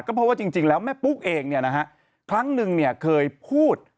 เพราะว่าจริงแล้วแม่ปุ๊กเองเนี่ยนะฮะครั้งหนึ่งเคยพูด